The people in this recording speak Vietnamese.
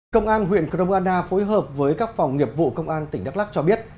công an huyện crong anna phối hợp với các phòng nghiệp vụ công an tỉnh đắk lắc cho biết